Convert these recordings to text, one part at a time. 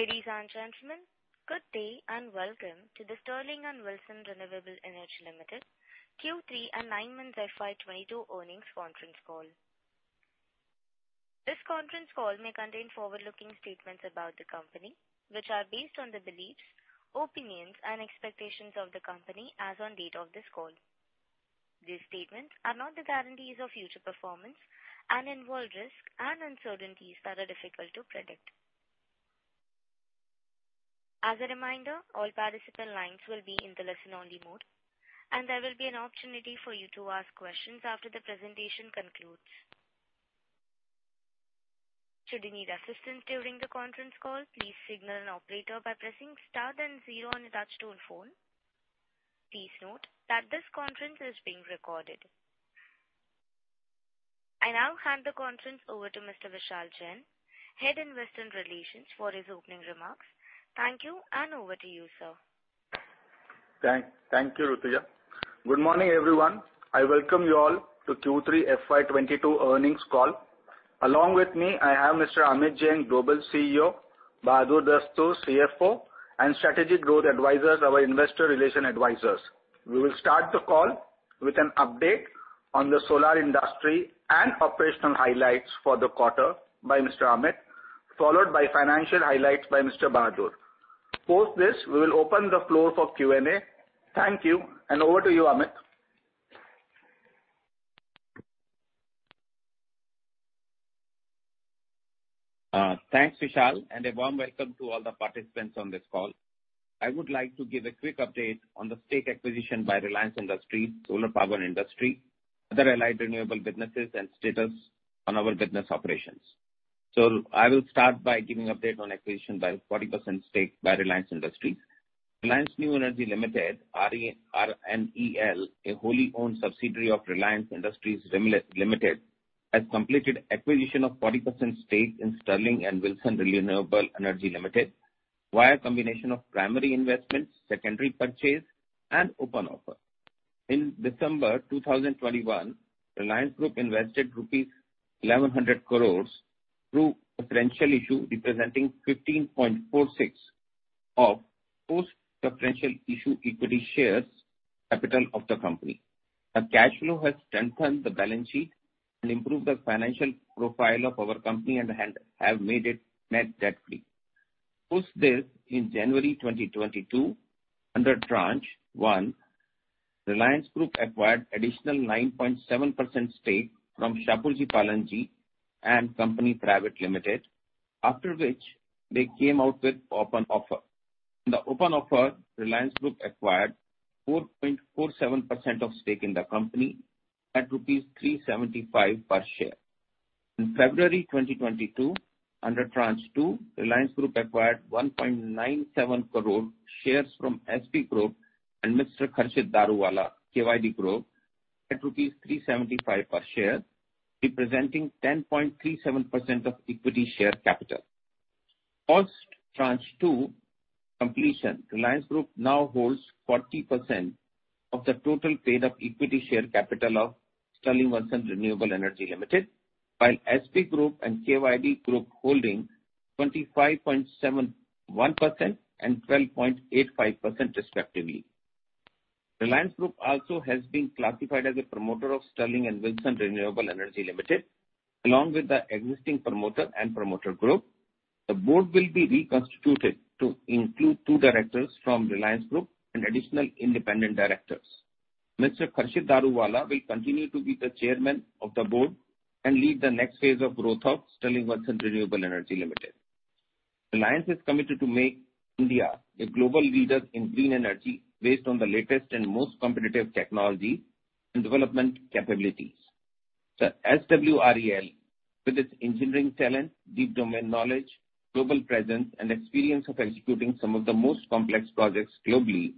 Ladies and gentlemen, good day and welcome to the Sterling and Wilson Renewable Energy Limited Q3 and nine months FY 2022 earnings conference call. This conference call may contain forward-looking statements about the company, which are based on the beliefs, opinions, and expectations of the company as on date of this call. These statements are not the guarantees of future performance and involve risks and uncertainties that are difficult to predict. As a reminder, all participant lines will be in the listen only mode, and there will be an opportunity for you to ask questions after the presentation concludes. Should you need assistance during the conference call, please signal an operator by pressing star then zero on your touchtone phone. Please note that this conference is being recorded. I now hand the conference over to Mr. Vishal Jain, Head, Investor Relations, for his opening remarks. Thank you, and over to you, sir. Thank you, Rutuja. Good morning, everyone. I welcome you all to Q3 FY 2022 earnings call. Along with me, I have Mr. Amit Jain, Global CEO, Bahadur Dastoor, CFO, and Strategic Growth Advisors, our investor relations advisors. We will start the call with an update on the solar industry and operational highlights for the quarter by Mr. Amit, followed by financial highlights by Mr. Bahadur. Post this, we will open the floor for Q&A. Thank you, and over to you, Amit. Thanks, Vishal, and a warm welcome to all the participants on this call. I would like to give a quick update on the stake acquisition by Reliance Industries solar power industry, other allied renewable businesses, and status on our business operations. I will start by giving update on acquisition by 40% stake by Reliance Industries. Reliance New Energy Limited, RNEL, a wholly owned subsidiary of Reliance Industries Limited, has completed acquisition of 40% stake in Sterling and Wilson Renewable Energy Limited via a combination of primary investments, secondary purchase, and open offer. In December 2021, Reliance Group invested INR 1,100 crore through preferential issue representing 15.46% of post-preferential issue equity share capital of the company. The cash flow has strengthened the balance sheet and improved the financial profile of our company and has made it net debt-free. Post this, in January 2022, under Tranche One, Reliance Group acquired additional 9.7% stake from Shapoorji Pallonji and Company Private Limited, after which they came out with open offer. In the open offer, Reliance Group acquired 4.47% of stake in the company at rupees 375 per share. In February 2022, under Tranche Two, Reliance Group acquired 1.97 crore shares from SP Group and Mr. Khurshed Daruvala, KYD Group, at rupees 375 per share, representing 10.37% of equity share capital. Post Tranche Two completion, Reliance Group now holds 40% of the total paid-up equity share capital of Sterling and Wilson Renewable Energy Limited, while SP Group and KYD Group holding 25.71% and 12.85% respectively. Reliance Group also has been classified as a promoter of Sterling and Wilson Renewable Energy Limited. Along with the existing promoter and promoter group, the board will be reconstituted to include two directors from Reliance Group and additional independent directors. Mr. Khurshed Daruvala will continue to be the chairman of the board and lead the next phase of growth of Sterling and Wilson Renewable Energy Limited. Reliance is committed to make India a global leader in green energy based on the latest and most competitive technology and development capabilities. The SWREL, with its engineering talent, deep domain knowledge, global presence, and experience of executing some of the most complex projects globally,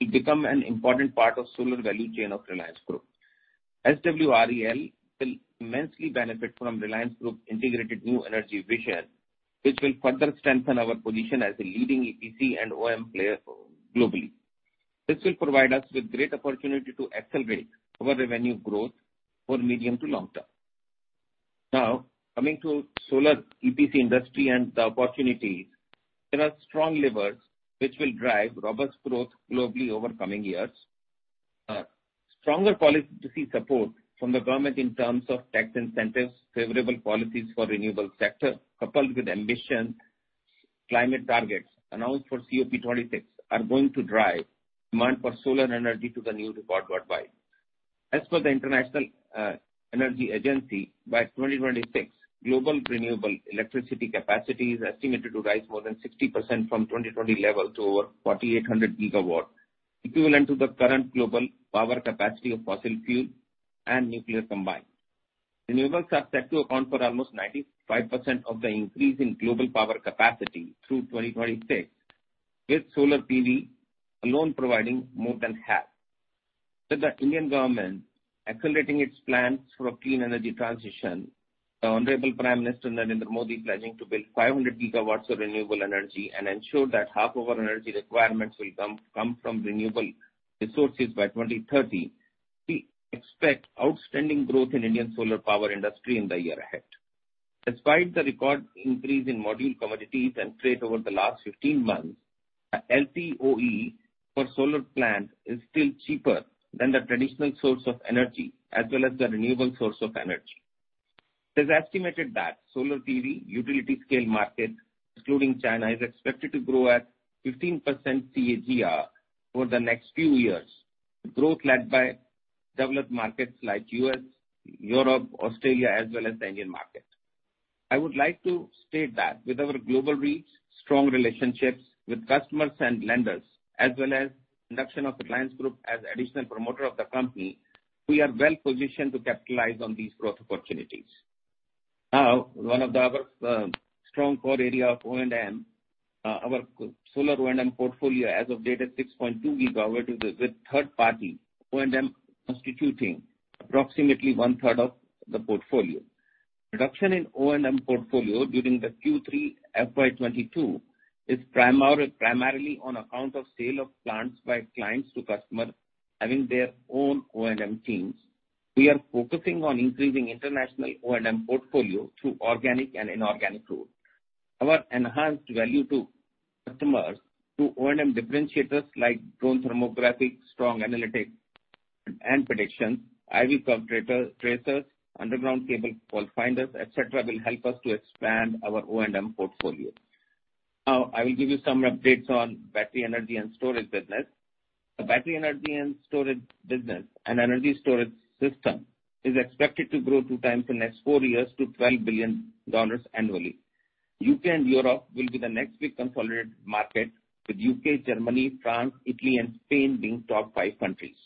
will become an important part of solar value chain of Reliance Group. SWREL will immensely benefit from Reliance Group integrated new energy vision, which will further strengthen our position as a leading EPC and O&M player globally. This will provide us with great opportunity to accelerate our revenue growth for medium to long term. Now, coming to solar EPC industry and the opportunities, there are strong levers which will drive robust growth globally over coming years. Stronger policy support from the government in terms of tax incentives, favorable policies for renewable sector, coupled with ambitious climate targets announced for COP26 are going to drive demand for solar energy to the new record worldwide. As per the International Energy Agency, by 2026, global renewable electricity capacity is estimated to rise more than 60% from 2020 levels to over 4,800 gigawatts, equivalent to the current global power capacity of fossil fuel and nuclear combined. Renewables are set to account for almost 95% of the increase in global power capacity through 2026, with solar PV alone providing more than half. With the Indian government accelerating its plans for a clean energy transition, the Honorable Prime Minister Narendra Modi planning to build 500 GW of renewable energy and ensure that half of our energy requirements will come from renewable resources by 2030. We expect outstanding growth in Indian solar power industry in the year ahead. Despite the record increase in module commodities and freight over the last 15 months, a LCOE for solar plants is still cheaper than the traditional source of energy as well as the renewable source of energy. It is estimated that solar PV utility scale market, excluding China, is expected to grow at 15% CAGR over the next few years. The growth led by developed markets like U.S., Europe, Australia as well as the Indian market. I would like to state that with our global reach, strong relationships with customers and lenders, as well as induction of Reliance Group as additional promoter of the company, we are well-positioned to capitalize on these growth opportunities. Now, one of our strong core area of O&M, our solar O&M portfolio as of date is 6.2 GW with third party O&M constituting approximately one-third of the portfolio. Production in O&M portfolio during the Q3 FY 2022 is primarily on account of sale of plants by clients to customers having their own O&M teams. We are focusing on increasing international O&M portfolio through organic and inorganic route. Our enhanced value to customers through O&M differentiators like drone thermographic, strong analytics and predictions, I-V curve tracers, underground cable fault finders, etc., will help us to expand our O&M portfolio. Now, I will give you some updates on battery energy and storage business. The battery energy and storage business and energy storage system is expected to grow 2 times in next 4 years to $12 billion annually. U.K. and Europe will be the next big consolidated market, with U.K., Germany, France, Italy and Spain being top 5 countries.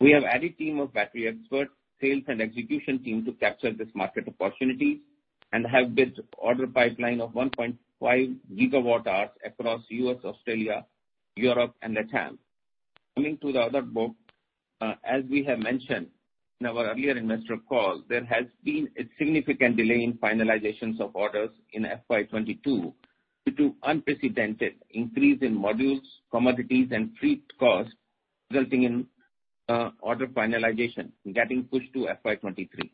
We have added team of battery experts, sales and execution team to capture this market opportunity and have built order pipeline of 1.5 GWh across U.S., Australia, Europe and LATAM. Coming to the other book, as we have mentioned in our earlier investor calls, there has been a significant delay in finalizations of orders in FY 2022 due to unprecedented increase in modules, commodities and freight costs, resulting in order finalization getting pushed to FY 2023.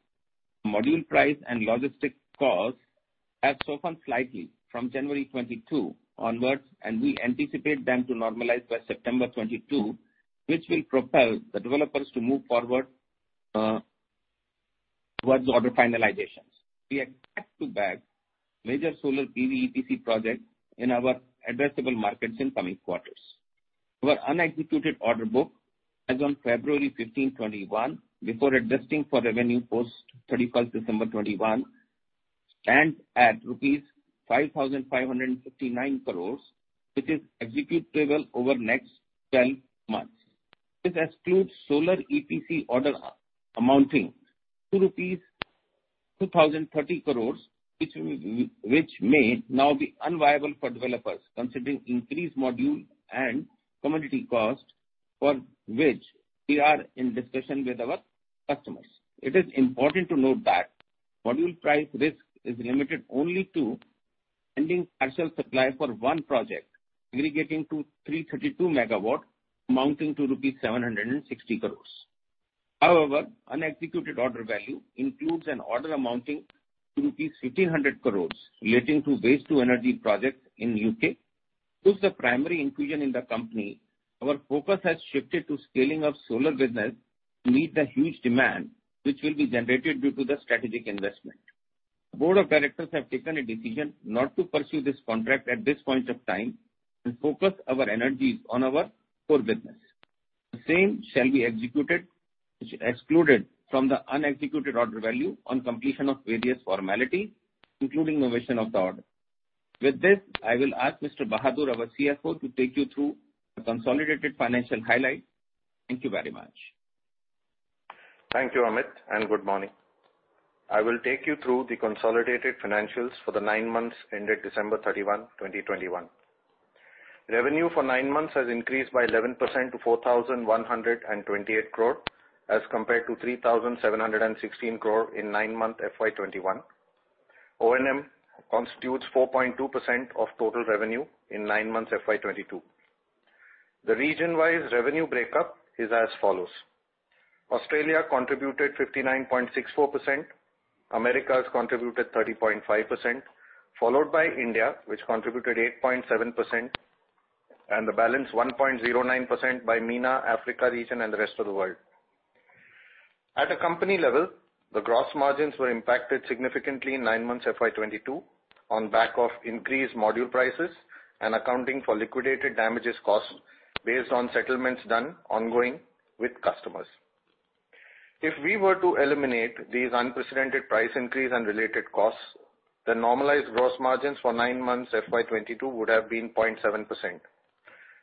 Module price and logistics costs have softened slightly from January 2022 onwards, and we anticipate them to normalize by September 2022, which will propel the developers to move forward towards order finalizations. We expect to bag major solar PV EPC projects in our addressable markets in coming quarters. Our unexecuted order book as on February 15, 2021, before adjusting for revenue post December 31, 2021, stands at rupees 5,559 crores, which is executable over next twelve months. This excludes solar EPC order amounting to rupees 2,030 crores, which may now be unviable for developers considering increased module and commodity costs, for which we are in discussion with our customers. It is important to note that module price risk is limited only to pending partial supply for one project aggregating to 332 MW, amounting to rupees 760 crore. However, unexecuted order value includes an order amounting to rupees 1,500 crore relating to waste to energy projects in U.K. Though the primary inclusion in the company, our focus has shifted to scaling of solar business to meet the huge demand which will be generated due to the strategic investment. Board of Directors have taken a decision not to pursue this contract at this point of time and focus our energies on our core business. The same shall be excluded from the unexecuted order value on completion of various formalities, including novation of the order. With this, I will ask Mr. Bahadur Dastoor, our CFO, to take you through the consolidated financial highlight. Thank you very much. Thank you, Amit, and good morning. I will take you through the consolidated financials for the nine months ended December 31, 2021. Revenue for nine months has increased by 11% to 4,128 crore as compared to 3,716 crore in nine-month FY 2021. O&M constitutes 4.2% of total revenue in nine months FY 2022. The region-wise revenue breakup is as follows. Australia contributed 59.64%. Americas contributed 30.5%, followed by India, which contributed 8.7%, and the balance 1.09% by MENA, Africa region and the rest of the world. At a company level, the gross margins were impacted significantly in nine months FY 2022 on back of increased module prices and accounting for liquidated damages cost based on settlements done ongoing with customers. If we were to eliminate these unprecedented price increase and related costs, the normalized gross margins for 9 months FY 2022 would have been 0.7%.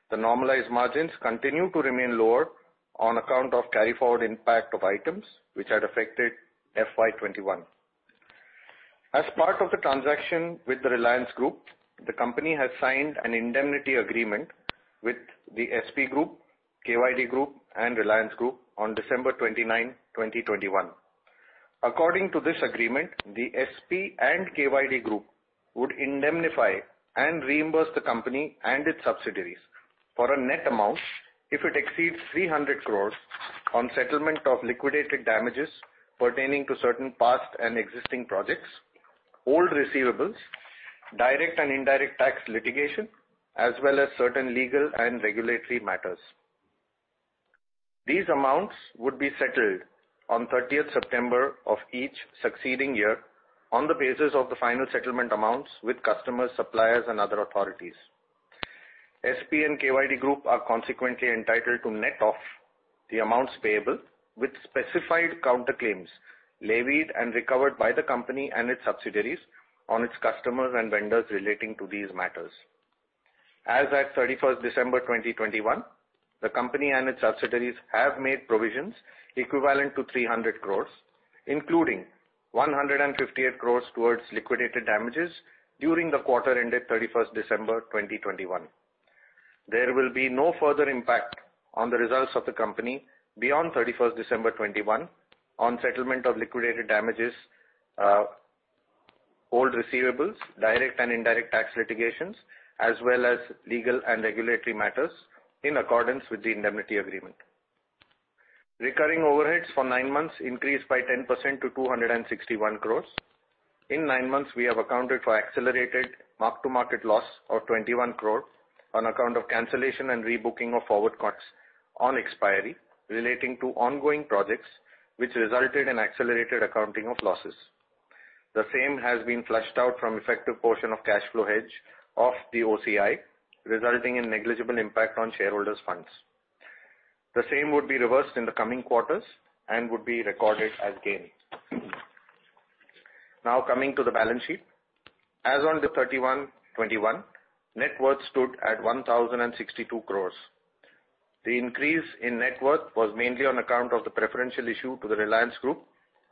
The normalized margins continue to remain lower on account of carry forward impact of items which had affected FY 2021. As part of the transaction with the Reliance Group, the company has signed an indemnity agreement with the SP Group, KYD Group and Reliance Group on December 29, 2021. According to this agreement, the SP and KYD Group would indemnify and reimburse the company and its subsidiaries for a net amount if it exceeds 300 crores on settlement of liquidated damages pertaining to certain past and existing projects, old receivables, direct and indirect tax litigation, as well as certain legal and regulatory matters. These amounts would be settled on 30th September of each succeeding year on the basis of the final settlement amounts with customers, suppliers, and other authorities. SP and KYD Group are consequently entitled to net off the amounts payable with specified counterclaims levied and recovered by the company and its subsidiaries on its customers and vendors relating to these matters. As at 31 December 2021, the company and its subsidiaries have made provisions equivalent to 300 crores, including 158 crores towards liquidated damages during the quarter ended 31 December 2021. There will be no further impact on the results of the company beyond 31 December 2021 on settlement of liquidated damages, old receivables, direct and indirect tax litigations, as well as legal and regulatory matters in accordance with the indemnity agreement. Recurring overheads for nine months increased by 10% to 261 crore. In nine months, we have accounted for accelerated mark-to-market loss of 21 crore on account of cancellation and rebooking of forward cuts on expiry relating to ongoing projects, which resulted in accelerated accounting of losses. The same has been flushed out from effective portion of cash flow hedge of the OCI, resulting in negligible impact on shareholders' funds. The same would be reversed in the coming quarters and would be recorded as gain. Now coming to the balance sheet. As on 31 March 2021, net worth stood at 1,062 crore. The increase in net worth was mainly on account of the preferential issue to the Reliance Group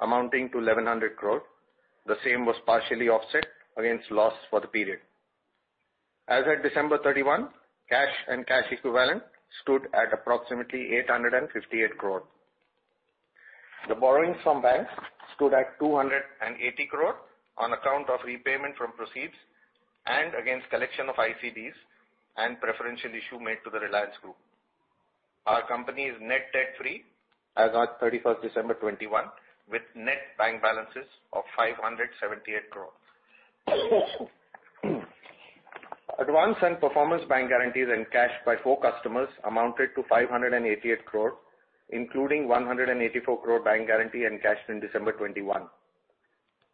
amounting to 1,100 crore. The same was partially offset against loss for the period. As at December 31, cash and cash equivalents stood at approximately 858 crore. The borrowings from banks stood at 280 crore on account of repayment from proceeds and against collection of ICDs and preferential issue made to the Reliance Group. Our company is net debt-free as at December 31, 2021, with net bank balances of 578 crore. Advance and performance bank guarantees encashed by four customers amounted to 588 crore, including 184 crore bank guarantee encashed in December 2021.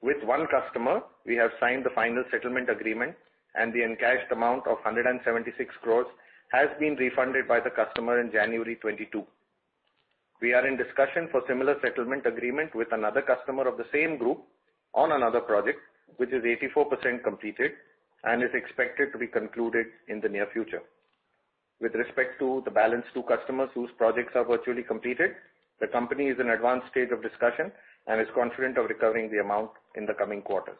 With one customer, we have signed the final settlement agreement, and the encashed amount of 176 crore has been refunded by the customer in January 2022. We are in discussion for similar settlement agreement with another customer of the same group on another project, which is 84% completed and is expected to be concluded in the near future. With respect to the balance two customers whose projects are virtually completed, the company is in advanced state of discussion and is confident of recovering the amount in the coming quarters.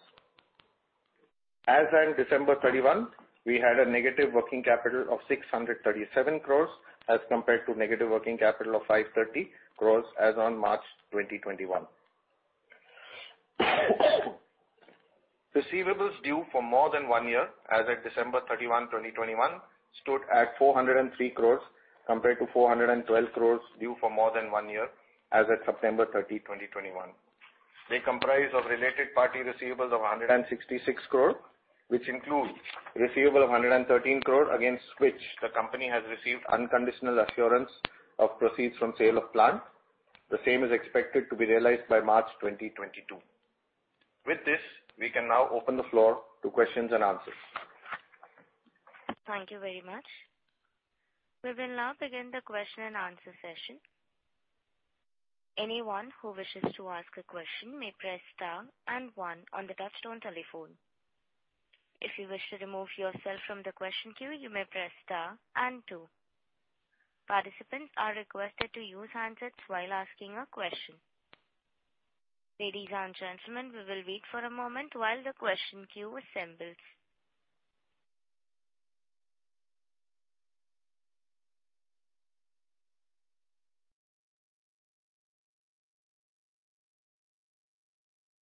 As at December 31, we had a negative working capital of 637 crores as compared to negative working capital of 530 crores as on March 2021. Receivables due for more than one year as at December 31, 2021 stood at 403 crores compared to 412 crores due for more than one year as at September 30, 2021. They comprise of related party receivables of 166 crore, which includes receivable of 113 crore against which the company has received unconditional assurance of proceeds from sale of plant. The same is expected to be realized by March 2022. With this, we can now open the floor to questions and answers. Thank you very much. We will now begin the question and answer session. Anyone who wishes to ask a question may press star and one on the touchtone telephone. If you wish to remove yourself from the question queue, you may press star and two. Participants are requested to use handsets while asking a question. Ladies and gentlemen, we will wait for a moment while the question queue assembles.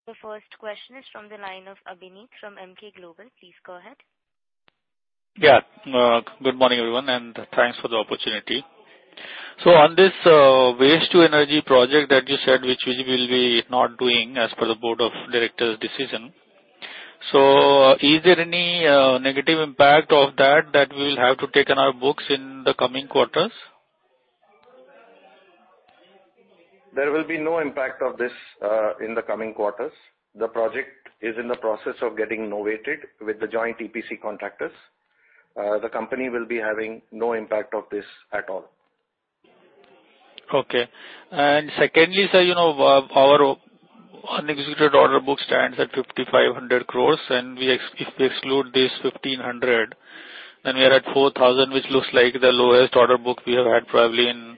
The first question is from the line of Abhinav from Emkay Global. Please go ahead. Yeah. Good morning, everyone, and thanks for the opportunity. On this Waste to Energy project that you said which we will be not doing as per the Board of Directors' decision, is there any negative impact of that that we'll have to take in our books in the coming quarters? There will be no impact of this in the coming quarters. The project is in the process of getting novated with the joint EPC contractors. The company will be having no impact of this at all. Okay. Secondly, sir, you know, our unexecuted order book stands at 5,500 crore, and if we exclude this 1,500 crore, then we are at 4,000 crore, which looks like the lowest order book we have had probably in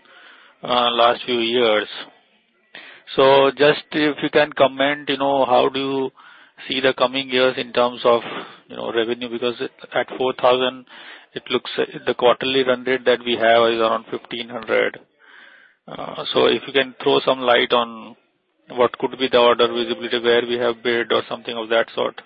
last few years. Just if you can comment, you know, how do you see the coming years in terms of, you know, revenue, because at 4,000 crore it looks. The quarterly run rate that we have is around 1,500 crore. If you can throw some light on what could be the order visibility, where we have bid or something of that sort.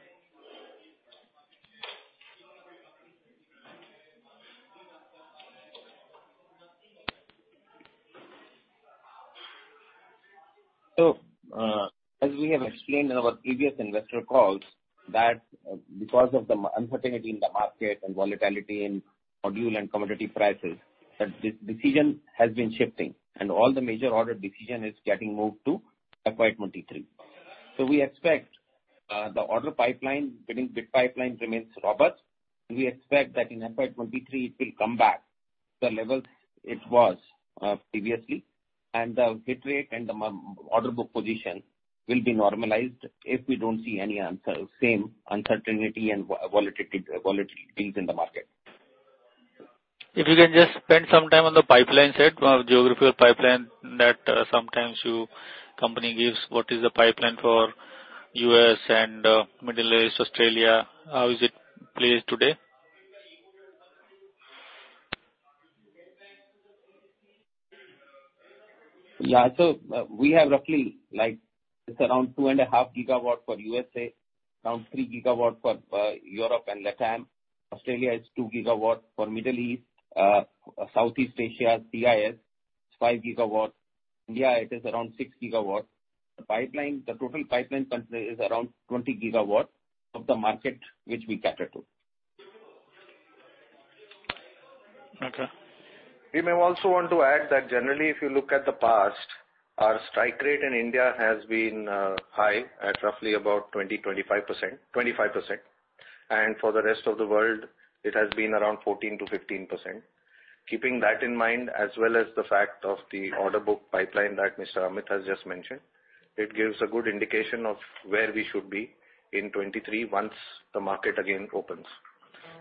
As we have explained in our previous investor calls that, because of the uncertainty in the market and volatility in module and commodity prices, that decision has been shifting and all the major order decision is getting moved to FY 2023. We expect the order pipeline, bidding, bid pipeline remains robust. We expect that in FY 2023 it will come back to the level it was, previously, and the hit rate and the m-order book position will be normalized if we don't see any answer, same uncertainty and volatility in the market. If you can just spend some time on the pipeline side, geographical pipeline that sometimes company gives, what is the pipeline for U.S. and Middle East, Australia? How is it placed today? Yeah. We have roughly, like, it's around 2.5 GW for U.S., around 3 GW for Europe and LatAm. Australia is 2 GW. For Middle East, Southeast Asia, CIS is 5 GW. India it is around 6 GW. The pipeline, the total pipeline is around 20 GW of the market which we cater to. Okay. We may also want to add that generally, if you look at the past, our strike rate in India has been high at roughly about 20%-25%. For the rest of the world, it has been around 14%-15%. Keeping that in mind as well as the fact of the order book pipeline that Mr. Amit Jain has just mentioned, it gives a good indication of where we should be in 2023 once the market again opens.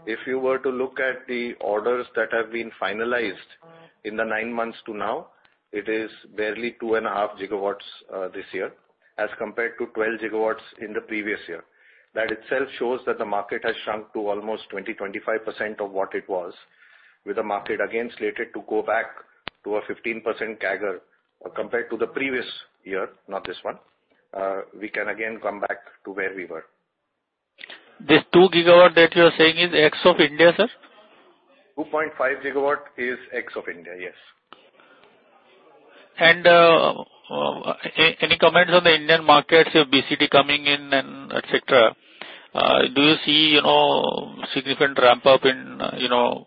If you were to look at the orders that have been finalized in the nine months to now, it is barely 2.5 GW this year as compared to 12 GW in the previous year. That itself shows that the market has shrunk to almost 20%-25% of what it was, with the market again slated to go back to a 15% CAGR compared to the previous year, not this one. We can again come back to where we were. This 2 GW that you are saying is ex-India, sir? 2.5 GW is ex of India. Yes. Any comments on the Indian markets? You have BCD coming in and etcetera. Do you see, you know, significant ramp up in, you know,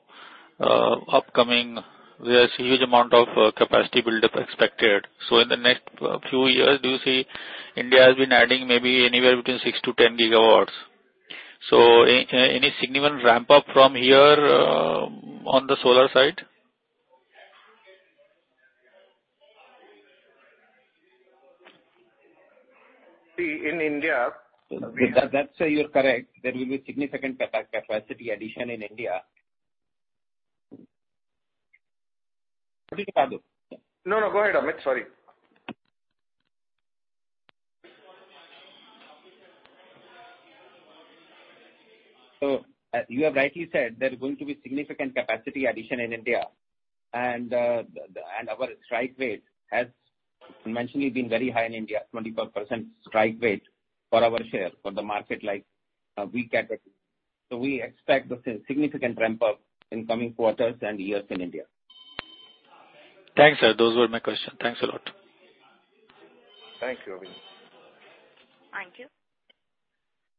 upcoming. There's huge amount of capacity build-up expected. In the next few years, do you see India has been adding maybe anywhere between 6-10 gigawatts. Any significant ramp up from here on the solar side? See, in India. That's where you're correct. There will be significant capacity addition in India. No, no, go ahead, Amit. Sorry. You have rightly said there is going to be significant capacity addition in India. Our strike rate has conventionally been very high in India, 20+% strike rate for our share for the market like we cater to. We expect a significant ramp up in coming quarters and years in India. Thanks, sir. Those were my questions. Thanks a lot. Thank you, Abhinav. Thank you.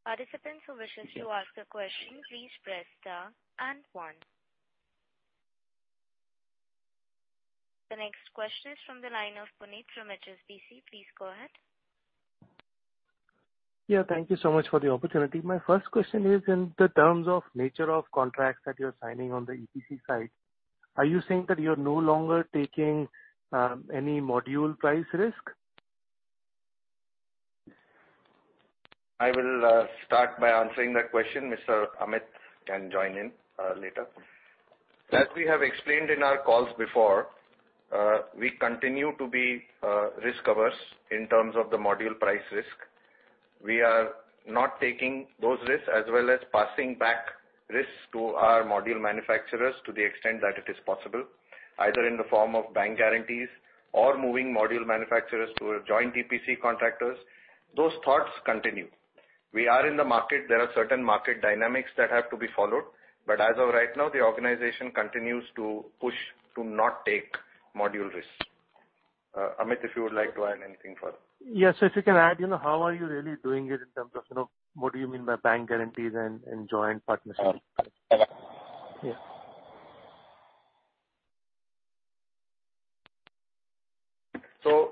Participants who wishes to ask a question, please press star and one. The next question is from the line of Puneet from HSBC. Please go ahead. Yeah, thank you so much for the opportunity. My first question is in terms of nature of contracts that you're signing on the EPC side. Are you saying that you're no longer taking any module price risk? I will start by answering that question. Mr. Amit can join in later. As we have explained in our calls before, we continue to be risk-averse in terms of the module price risk. We are not taking those risks as well as passing back risks to our module manufacturers to the extent that it is possible, either in the form of bank guarantees or moving module manufacturers to joint EPC contractors. Those thoughts continue. We are in the market. There are certain market dynamics that have to be followed, but as of right now, the organization continues to push to not take module risk. Amit, if you would like to add anything further. Yes. If you can add, you know, how are you really doing it in terms of, you know, what do you mean by bank guarantees and joint partnerships?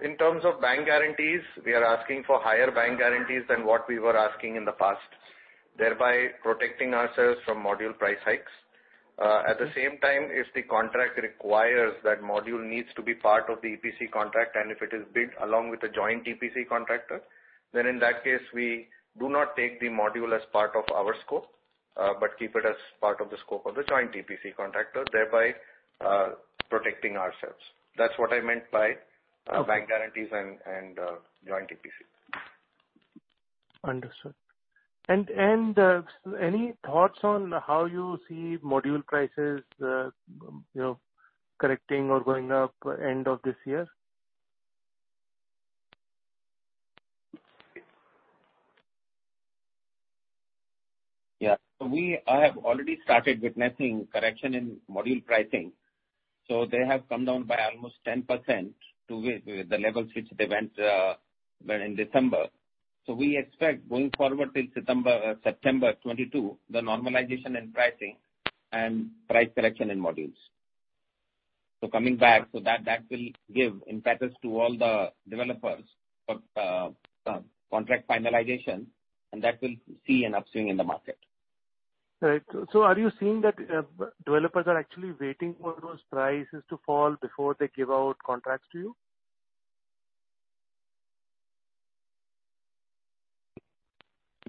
In terms of bank guarantees, we are asking for higher bank guarantees than what we were asking in the past, thereby protecting ourselves from module price hikes. At the same time, if the contract requires that module needs to be part of the EPC contract and if it is bid along with the joint EPC contractor, then in that case, we do not take the module as part of our scope, but keep it as part of the scope of the joint EPC contractor, thereby protecting ourselves. That's what I meant by. Bank guarantees and joint EPC. Understood. Any thoughts on how you see module prices, you know, correcting or going up end of this year? Yeah. We have already started witnessing correction in module pricing. They have come down by almost 10% to the levels which they went when in December. We expect going forward till September 2022, the normalization in pricing and price correction in modules. That will give impetus to all the developers for contract finalization, and that will see an upswing in the market. Right. Are you seeing that, developers are actually waiting for those prices to fall before they give out contracts to you?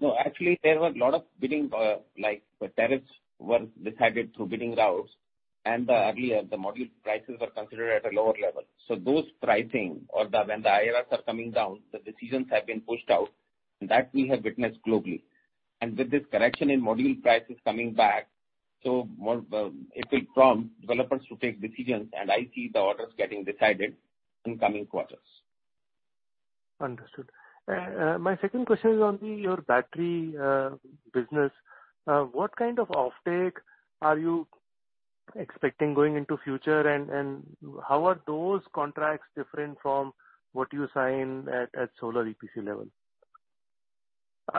No, actually there were a lot of bidding, like tariffs were decided through bidding routes. Earlier, the module prices were considered at a lower level. Those pricing or the when the IRRs are coming down, the decisions have been pushed out. That we have witnessed globally. With this correction in module prices coming back, more, it will prompt developers to take decisions, and I see the orders getting decided in coming quarters. Understood. My second question is on your battery business. What kind of offtake are you expecting going into future? How are those contracts different from what you sign at solar EPC level?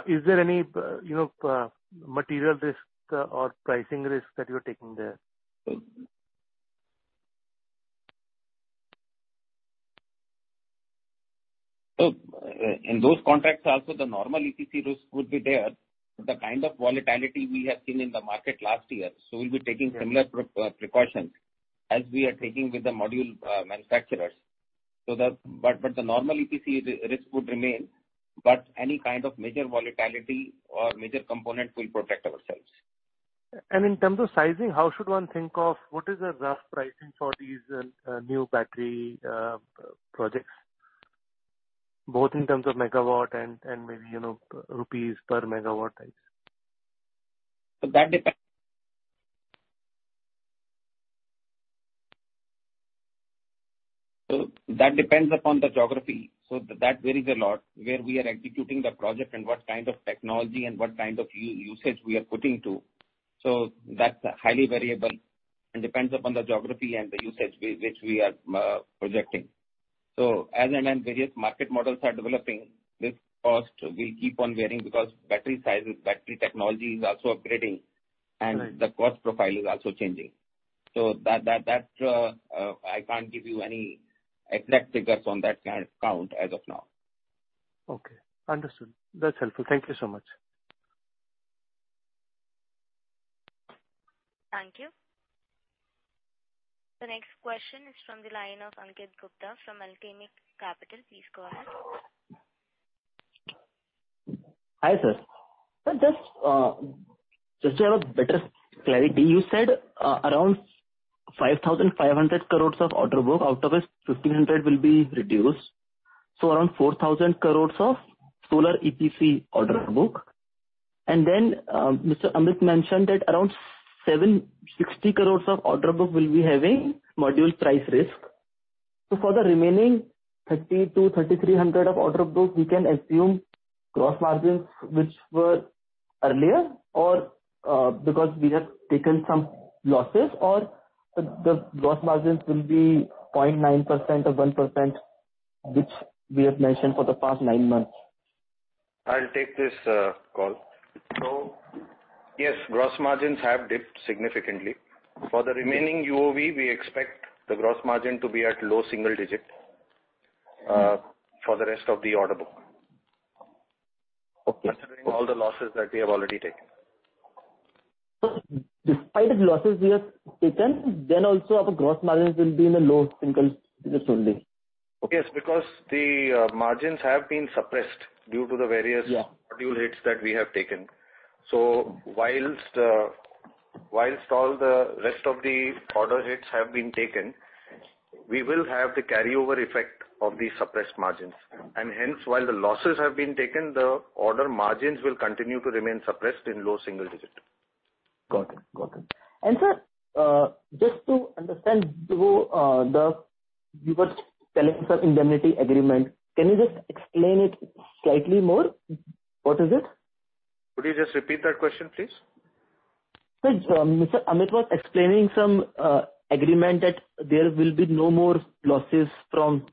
Is there any, you know, material risk or pricing risk that you're taking there? In those contracts also the normal EPC risk would be there. The kind of volatility we have seen in the market last year, we'll be taking similar precautions as we are taking with the module manufacturers. The normal EPC risk would remain, but any kind of major volatility or major component will protect ourselves. In terms of sizing, how should one think of what is the rough pricing for these new battery projects, both in terms of megawatt and maybe, you know, rupees per megawatt types? That depends upon the geography. That varies a lot, where we are executing the project and what kind of technology and what kind of usage we are putting to. That's highly variable and depends upon the geography and the usage which we are projecting. As and when various market models are developing, this cost will keep on varying because battery sizes, battery technology is also upgrading. Right. The cost profile is also changing. That, I can't give you any exact figures on that count as of now. Okay, understood. That's helpful. Thank you so much. Thank you. The next question is from the line of Ankit Gupta from Alchemic Capital. Please go ahead. Hi, sir. Just to have a better clarity, you said around 5,500 crore of order book. Out of it, 1,500 will be reduced, so around 4,000 crore of solar EPC order book. Mr. Amit mentioned that around 760 crore of order book will be having module price risk. For the remaining 3,000-3,300 of order book, we can assume gross margins which were earlier or because we have taken some losses or the gross margins will be 0.9% or 1%, which we have mentioned for the past nine months. I'll take this call. Yes, gross margins have dipped significantly. For the remaining UOV, we expect the gross margin to be at low single-digit% for the rest of the order book. Okay. Considering all the losses that we have already taken. Despite the losses we have taken, then also our gross margins will be in the low single digits only. Yes, because the margins have been suppressed due to the various Yeah. Module hits that we have taken. While all the rest of the order hits have been taken, we will have the carryover effect of these suppressed margins. Hence, while the losses have been taken, the order margins will continue to remain suppressed in low single digit. Got it. Sir, just to understand you were telling some indemnity agreement. Can you just explain it slightly more? What is it? Could you just repeat that question, please? Mr. Amit was explaining some agreement that there will be no more losses from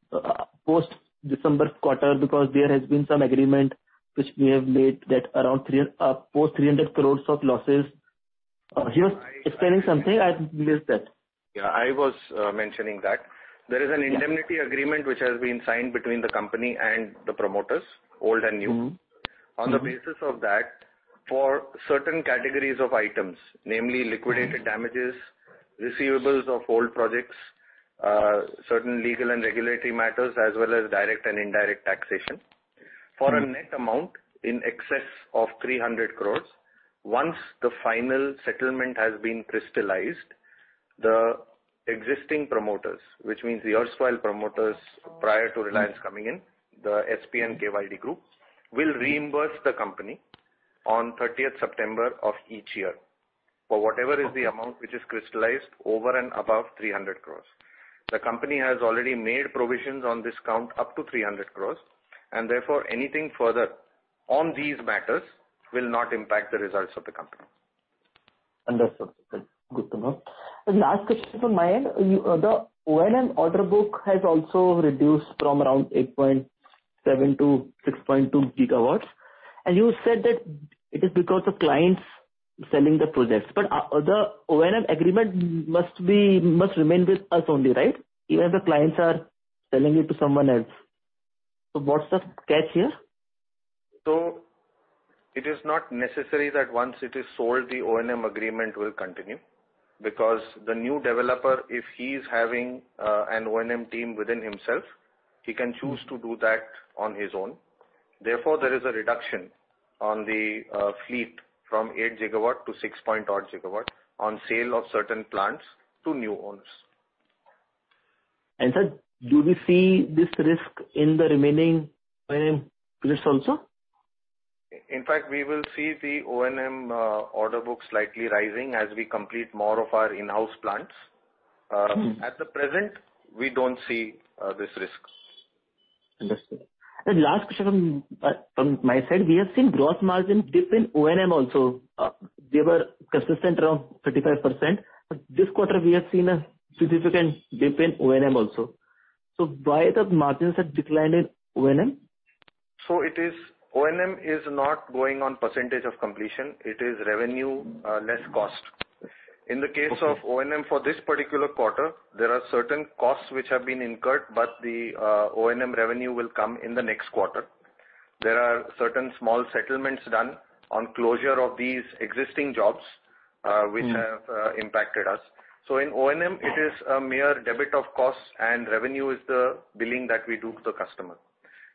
post-December quarter because there has been some agreement which we have made that around 300 crore of losses. He was explaining something, I missed that. Yeah, I was mentioning that. There is an indemnity agreement which has been signed between the company and the promoters, old and new. Mm-hmm. Mm-hmm. On the basis of that, for certain categories of items, namely liquidated damages, receivables of old projects, certain legal and regulatory matters, as well as direct and indirect taxation. For a net amount in excess of 300 crore. Once the final settlement has been crystallized, the existing promoters, which means the erstwhile promoters prior to Reliance coming in, the SP and KYD Group, will reimburse the company on 30th September of each year for whatever is the amount which is crystallized over and above 300 crore. The company has already made provisions on this count up to 300 crore, and therefore, anything further on these matters will not impact the results of the company. Understood, sir. Good to know. Last question from my end. The O&M order book has also reduced from around 8.7 GW to 6.2 GW, and you said that it is because of clients selling the projects. The O&M agreement must remain with us only, right? Even if the clients are selling it to someone else. What's the catch here? It is not necessary that once it is sold, the O&M agreement will continue because the new developer, if he is having, an O&M team within himself, he can choose to do that on his own. Therefore, there is a reduction on the fleet from 8 GW to 6-point-odd GW on sale of certain plants to new owners. Sir, do we see this risk in the remaining O&M list also? In fact, we will see the O&M order book slightly rising as we complete more of our in-house plants. Mm-hmm. At the present we don't see this risk. Understood. Last question from my side. We have seen gross margin dip in O&M also. They were consistent around 35%, but this quarter we have seen a significant dip in O&M also. Why the margins have declined in O&M? O&M is not going on percentage of completion. It is revenue less cost. Okay. In the case of O&M for this particular quarter, there are certain costs which have been incurred, but the O&M revenue will come in the next quarter. There are certain small settlements done on closure of these existing jobs. Mm-hmm. -which have impacted us. In O&M, it is a mere debit of costs and revenue is the billing that we do to the customer.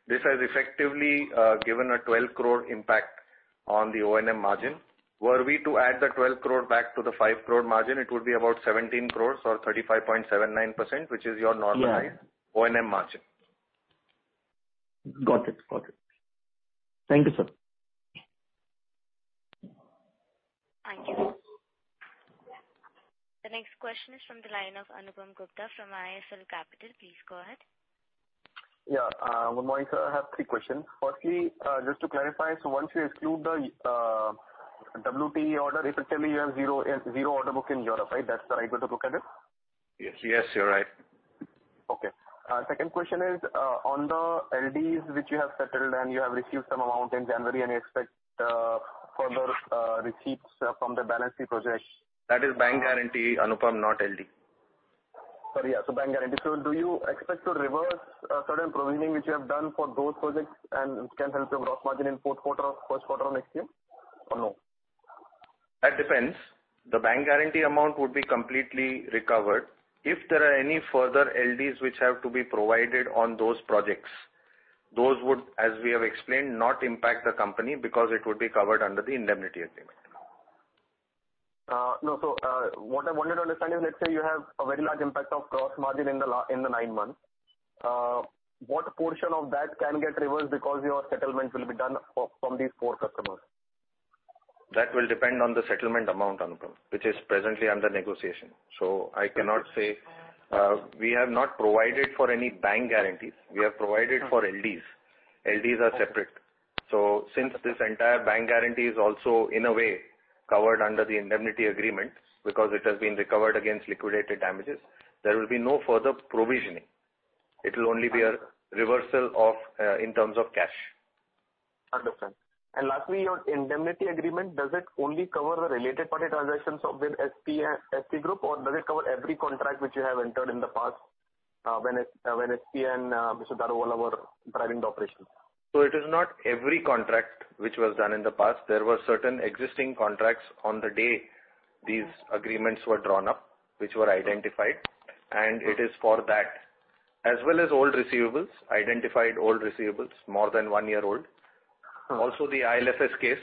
This has effectively given an 12 crore impact on the O&M margin. Were we to add the 12 crore back to the 5 crore margin, it would be about 17 crore or 35.79%, which is your normalized- Yeah. O&M margin. Got it. Thank you, sir. Thank you. The next question is from the line of Anupam Gupta from IIFL Capital. Please go ahead. Yeah. Good morning, sir. I have three questions. Firstly, just to clarify, so once you exclude the WTE order, effectively you have zero order book in Europe, right? That's the right way to look at it? Yes. Yes, you're right. Okay. Second question is on the LDs which you have settled and you have received some amount in January and you expect further receipts from the balance sheet project? That is bank guarantee, Anupam, not LD. Sorry, yeah. Bank guarantee. Do you expect to reverse a certain provisioning which you have done for those projects and can help your gross margin in fourth quarter or first quarter next year, or no? That depends. The bank guarantee amount would be completely recovered. If there are any further LDs which have to be provided on those projects, those would, as we have explained, not impact the company because it would be covered under the indemnity agreement. No. What I wanted to understand is, let's say you have a very large impact of gross margin in the nine months. What portion of that can get reversed because your settlement will be done from these four customers? That will depend on the settlement amount, Anupam, which is presently under negotiation, so I cannot say. Okay. We have not provided for any bank guarantees. Mm-hmm. We have provided for LDs. LDs are separate. Since this entire bank guarantee is also in a way covered under the indemnity agreement, because it has been recovered against liquidated damages, there will be no further provisioning. It'll only be a reversal of, in terms of cash. Understood. Lastly, your indemnity agreement, does it only cover the related party transactions of the SP Group, or does it cover every contract which you have entered in the past, when SP and Mr. Khurshed Daruvala were driving the operations? It is not every contract which was done in the past. There were certain existing contracts on the day these agreements were drawn up, which were identified, and it is for that. As well as old receivables, identified old receivables, more than one-year old. Okay. Also, the IL&FS case.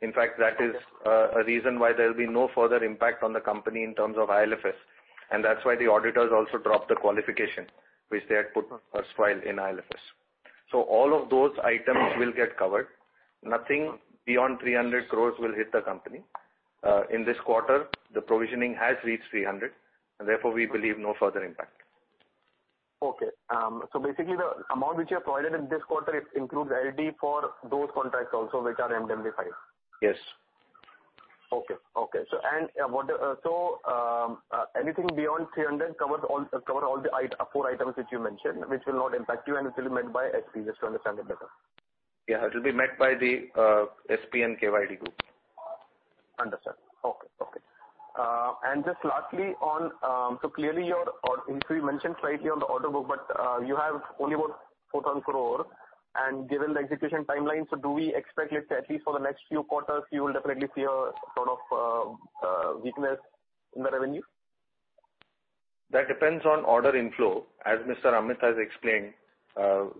In fact, that is. Okay. A reason why there'll be no further impact on the company in terms of IL&FS, and that's why the auditors also dropped the qualification which they had put erstwhile in IL&FS. All of those items will get covered. Nothing beyond 300 crore will hit the company. In this quarter, the provisioning has reached 300 crore, and therefore we believe no further impact. Okay. Basically the amount which you have provided in this quarter, it includes LD for those contracts also which are indemnified. Yes. Anything beyond 300 covers all the four items which you mentioned, which will not impact you and it will be met by SP, just to understand it better. Yeah, it'll be met by the SP and KYD Group. Understood. Okay. Just lastly, actually you mentioned slightly on the order book, but you have only about 400 crore, and given the execution timeline, so do we expect, let's say at least for the next few quarters, you will definitely see a sort of weakness in the revenue? That depends on order inflow. As Mr. Amit has explained,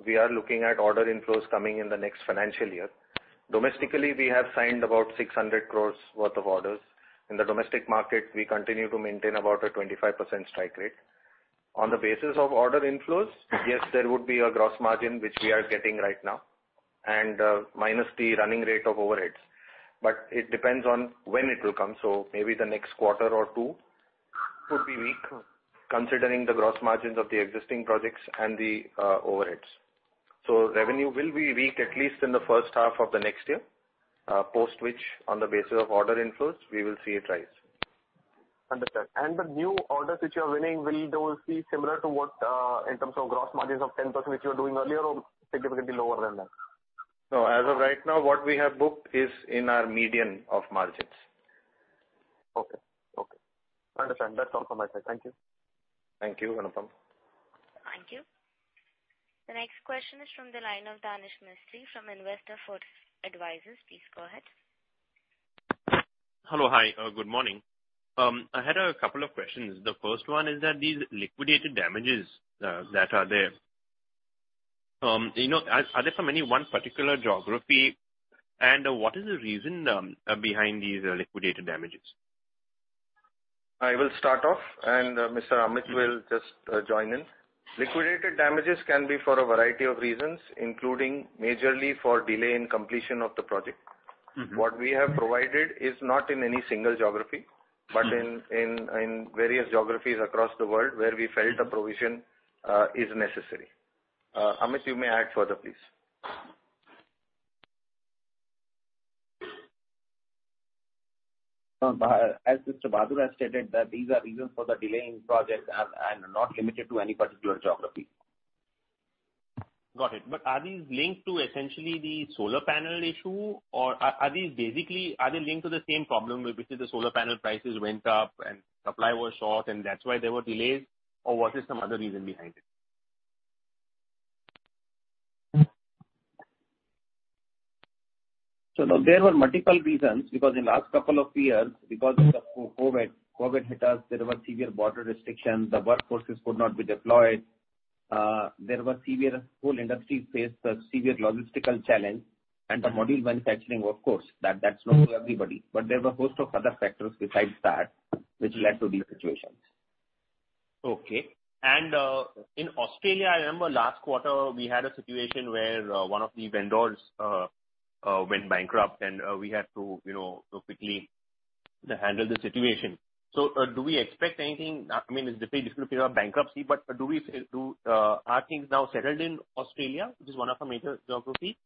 we are looking at order inflows coming in the next financial year. Domestically, we have signed about 600 crores worth of orders. In the domestic market, we continue to maintain about a 25% strike rate. On the basis of order inflows, yes, there would be a gross margin which we are getting right now, and, minus the running rate of overheads, but it depends on when it will come. Maybe the next quarter or two could be weak, considering the gross margins of the existing projects and the overheads. Revenue will be weak at least in the first half of the next year, post which, on the basis of order inflows, we will see it rise. Understood. The new orders which you are winning, will those be similar to what, in terms of gross margins of 10% which you were doing earlier, or significantly lower than that? No. As of right now, what we have booked is in our median of margins. Okay. Understand. That's all from my side. Thank you. Thank you, Anupam. Thank you. The next question is from the line of Danesh Mistry from Investor First Advisors. Please go ahead. Hello. Hi. Good morning. I had a couple of questions. The first one is that these liquidated damages that are there, you know, are they from any one particular geography? And what is the reason behind these liquidated damages? I will start off and Mr. Amit will just join in. Liquidated damages can be for a variety of reasons, including majorly for delay in completion of the project. Mm-hmm. What we have provided is not in any single geography. Mm-hmm. in various geographies across the world, where we felt a provision is necessary. Amit, you may add further, please. As Mr. Bahadur has stated, that these are reasons for the delay in projects and not limited to any particular geography. Got it. Are these linked to essentially the solar panel issue or are they linked to the same problem, where basically the solar panel prices went up and supply was short and that's why there were delays, or was there some other reason behind it? No, there were multiple reasons because in the last couple of years, because of COVID hit us. There were severe border restrictions. The workforces could not be deployed. The whole industry faced a severe logistical challenge. The module manufacturing workforce, that's true for everybody. There were a host of other factors besides that which led to these situations. Okay. In Australia, I remember last quarter we had a situation where one of the vendors went bankrupt and we had to, you know, quickly handle the situation. Do we expect anything? I mean, it's a different case of bankruptcy, but are things now settled in Australia, which is one of our major geography?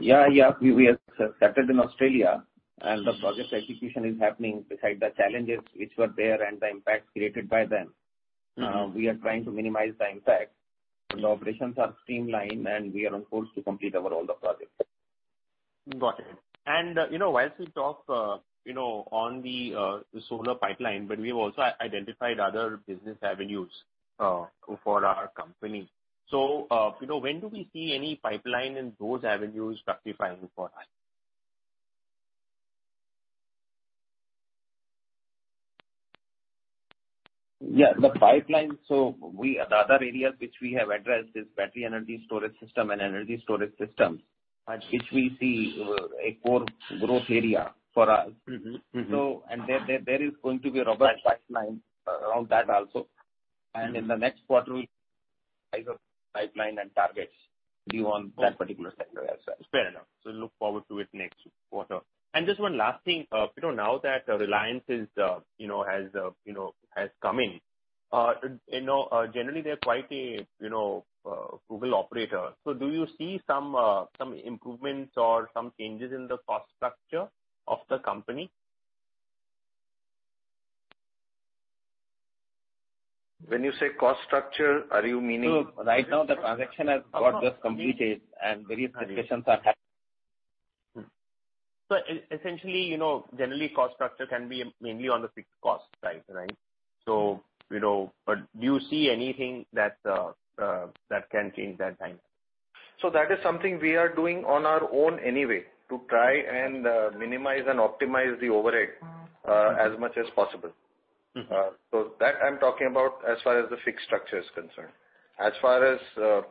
Yeah. We are settled in Australia and the project execution is happening despite the challenges which were there and the impact created by them. We are trying to minimize the impact. The operations are streamlined, and we are on course to complete our all the projects. Got it. You know, while we talk, you know, on the solar pipeline, but we've also identified other business avenues for our company. You know, when do we see any pipeline in those avenues fructifying for us? The other area which we have addressed is battery energy storage system and energy storage system. Right. which we see as a core growth area for us. Mm-hmm. Mm-hmm. There is going to be a robust pipeline around that also. Mm-hmm. In the next quarter, pipeline and targets we want that particular sector as well. Fair enough. Look forward to it next quarter. Just one last thing. You know, now that Reliance has come in, you know, generally they're quite a good operator. Do you see some improvements or some changes in the cost structure of the company? When you say cost structure, are you meaning? Right now the transaction has just completed and various discussions are. Essentially, you know, generally cost structure can be mainly on the fixed cost side, right? You know, but do you see anything that can change that dynamic? That is something we are doing on our own anyway, to try and minimize and optimize the overhead as much as possible. Mm-hmm. That I'm talking about as far as the fixed structure is concerned. As far as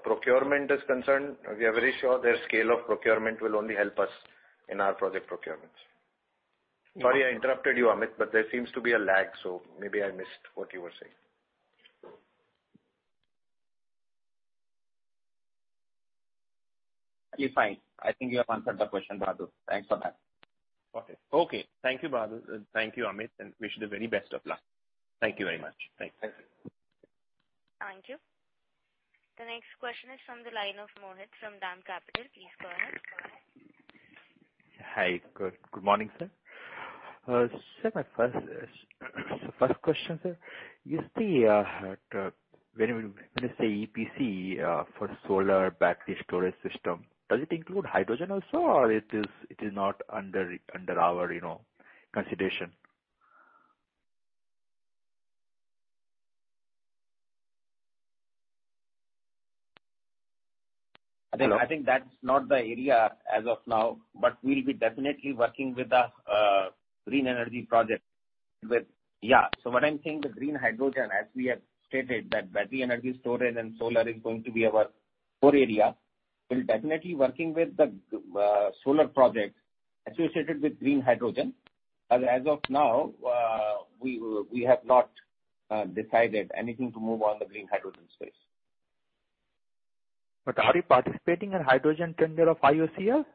procurement is concerned, we are very sure their scale of procurement will only help us in our project procurements. Sorry I interrupted you, Amit, but there seems to be a lag, so maybe I missed what you were saying. It's fine. I think you have answered the question, Bahadur. Thanks for that. Got it. Okay. Thank you, Bahadur. Thank you, Amit, and I wish you the very best of luck. Thank you very much. Thanks. Thank you. Thank you. The next question is from the line of Mohit from DAM Capital. Please go ahead. Hi. Good morning, sir. Sir, my first question, sir. You see, when you say EPC for solar battery storage system, does it include hydrogen also, or it is not under our, you know, consideration? I think that's not the area as of now, but we'll be definitely working with the green energy project. What I'm saying, the green hydrogen, as we have stated, that battery energy storage and solar is going to be our core area. We're definitely working with the solar project associated with green hydrogen. As of now, we have not decided anything to move on the green hydrogen space. Are you participating in hydrogen tender of IOCL?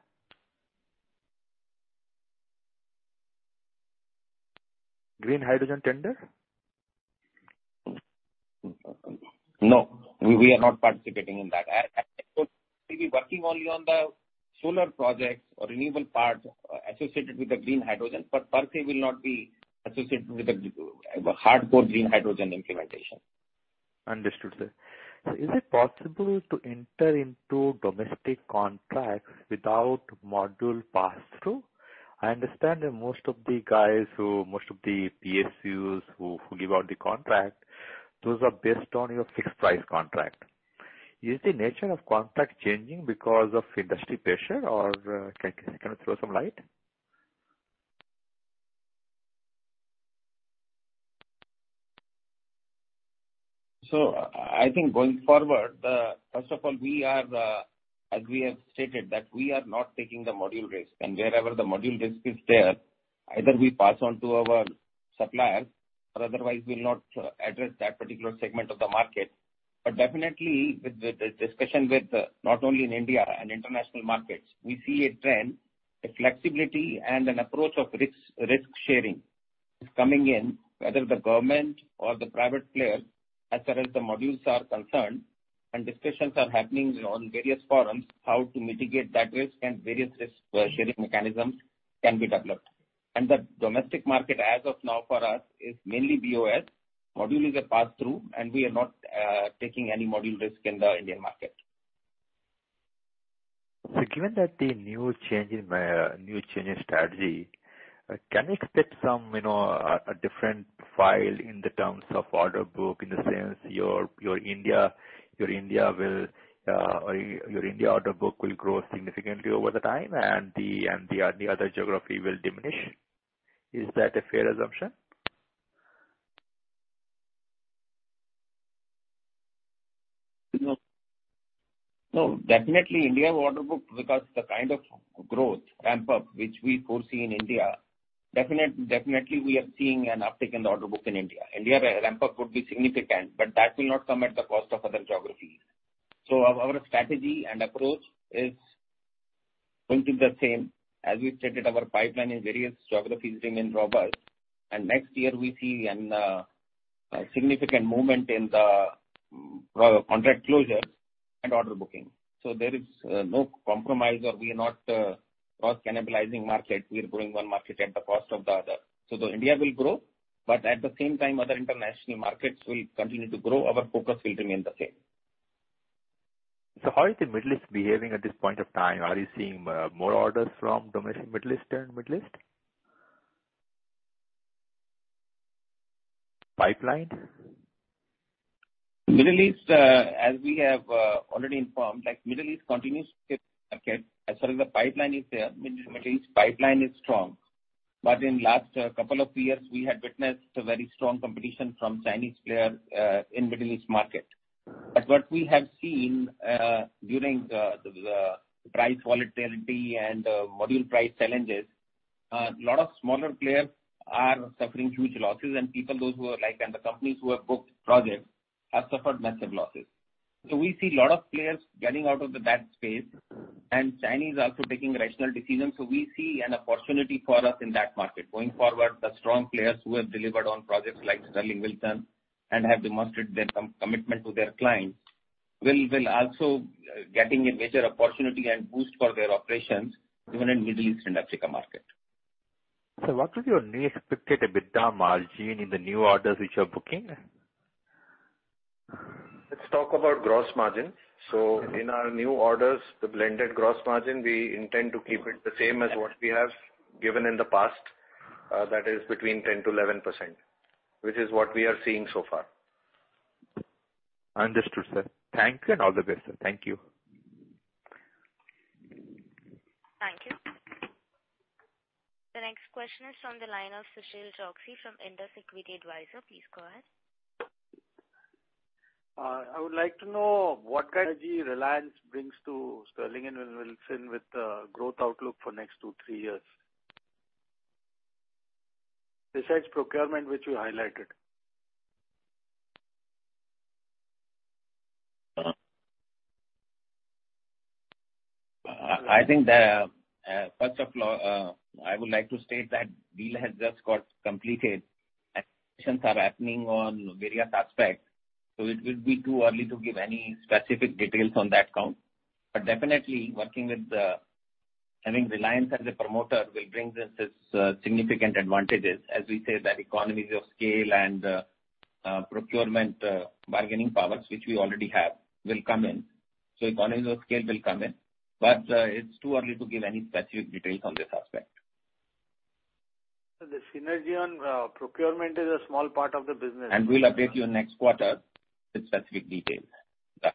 Green hydrogen tender? No, we are not participating in that. We'll be working only on the solar projects or renewable parts associated with the green hydrogen, but per se will not be associated with the hardcore green hydrogen implementation. Understood, sir. Is it possible to enter into domestic contracts without module passthrough? I understand that most of the PSUs who give out the contract, those are based on your fixed price contract. Is the nature of contract changing because of industry pressure or can you throw some light? As we have stated, that we are not taking the module risk, and wherever the module risk is there, either we pass on to our suppliers or otherwise we'll not address that particular segment of the market. But definitely with the discussion with, not only in India and international markets, we see a trend, a flexibility, and an approach of risk sharing is coming in, whether the government or the private player, as far as the modules are concerned. Discussions are happening, you know, on various forums, how to mitigate that risk and various risk sharing mechanisms can be developed. The domestic market as of now for us is mainly BOS. Module is a passthrough, and we are not taking any module risk in the Indian market. Given that the new change in strategy, can we expect some, you know, a different profile in terms of order book, in the sense your India order book will grow significantly over time and the other geography will diminish? Is that a fair assumption? No. No. Definitely India order book, because the kind of growth ramp-up which we foresee in India, definitely we are seeing an uptick in the order book in India. India ramp-up would be significant, but that will not come at the cost of other geographies. Our strategy and approach is going to be the same. As we've stated, our pipeline in various geographies remain robust. Next year we see a significant movement in the project contract closures and order booking. There is no compromise or we are not cross-cannibalizing market. We are growing one market at the cost of the other. India will grow, but at the same time, other international markets will continue to grow. Our focus will remain the same. How is the Middle East behaving at this point of time? Are you seeing more orders from domestic Middle East pipeline? Middle East, as we have already informed, like Middle East continues to be a market as far as the pipeline is there. Middle East pipeline is strong. In last couple of years, we had witnessed a very strong competition from Chinese players, in Middle East market. Mm-hmm. What we have seen during the price volatility and module price challenges, a lot of smaller players are suffering huge losses. People, those who are like, and the companies who have booked projects, have suffered massive losses. We see lot of players getting out of that space. Mm-hmm. Chinese also taking rational decisions. We see an opportunity for us in that market. Going forward, the strong players who have delivered on projects like Sterling and Wilson and have demonstrated their commitment to their clients will also getting a major opportunity and boost for their operations even in Middle East and Africa market. What is your new expected EBITDA margin in the new orders which you're booking? Let's talk about gross margin. Mm-hmm. In our new orders, the blended gross margin, we intend to keep it the same as what we have given in the past. That is between 10%-11%, which is what we are seeing so far. Understood, sir. Thanks and all the best, sir. Thank you. Thank you. The next question is from the line of Sushil Joshi from Indus Equity Advisors. Please go ahead. I would like to know what kind of Reliance brings to Sterling and Wilson with growth outlook for next 2-3 years. Besides procurement, which you highlighted. I think first of all, I would like to state that deal has just got completed. Applications are happening on various aspects, so it will be too early to give any specific details on that count. Definitely having Reliance as a promoter will bring us its significant advantages, as we say that economies of scale and procurement bargaining powers, which we already have, will come in. Economies of scale will come in, but it is too early to give any specific details on this aspect. Sir, the synergy on procurement is a small part of the business. We'll update you next quarter with specific details. Yeah.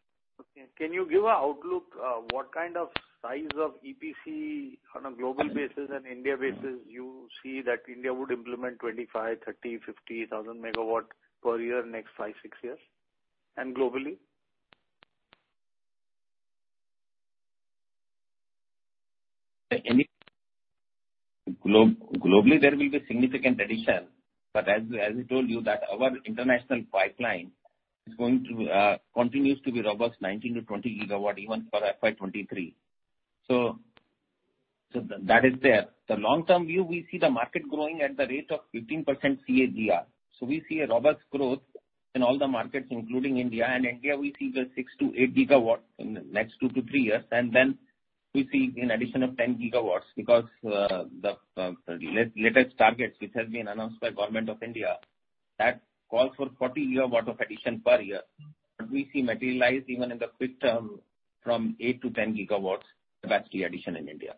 Can you give an outlook, what kind of size of EPC on a global basis and India basis you see that India would implement 25, 30, 50 thousand MW per year next five, six years? And globally? Globally there will be significant addition, but as we told you that our international pipeline is going to continue to be robust 19-20 gigawatts even for FY 2023. That is there. The long-term view, we see the market growing at the rate of 15% CAGR. We see a robust growth in all the markets including India. India we see the 6-8 gigawatts in the next two to three years. Then we see an addition of 10 gigawatts because the latest targets which has been announced by Government of India that call for 40 gigawatts of addition per year. We see materialize even in the short term from 8-10 gigawatts capacity addition in India.